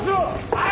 はい！